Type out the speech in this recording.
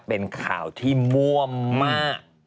เป็นข่าวที่ม่วมมาก